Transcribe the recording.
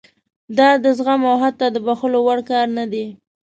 دا د زغم او حتی د بښلو وړ کار نه دی.